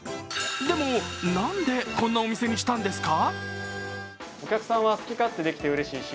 でも、なんで、こんなお店にしたんですか？